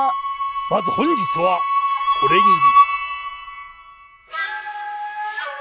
まず本日はこれぎり。